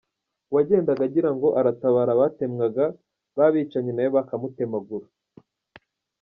Uwagendaga agira ngo aratabara abatemwaga ba bicanyi nawe bakamutemagura.